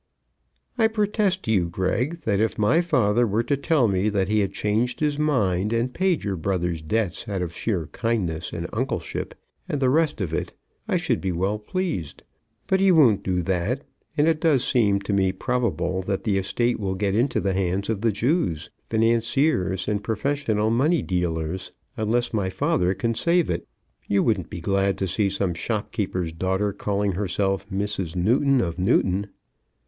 "I protest to you, Greg, that if my father were to tell me that he had changed his mind, and paid your brother's debts out of sheer kindness and uncleship, and the rest of it, I should be well pleased. But he won't do that, and it does seem to me probable that the estate will get into the hands of Jews, financiers, and professional money dealers, unless my father can save it. You wouldn't be glad to see some shopkeeper's daughter calling herself Mrs. Newton of Newton."